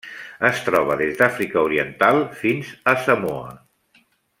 Es troba des d'Àfrica Oriental fins a Samoa.